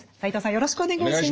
よろしくお願いします。